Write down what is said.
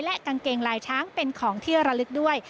และกางเกงลายช้างเป็นของที่ระลึกด้วย